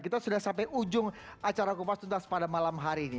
kita sudah sampai ujung acara kupas tuntas pada malam hari ini